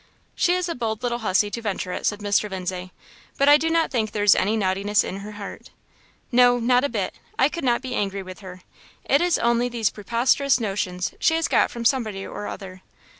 "She is a bold little hussy, to venture it," said Mr. Lindsay, "but I do not think there is any naughtiness in her heart." "No, not a bit. I could not be angry with her. It is only those preposterous notions she has got from somebody or other."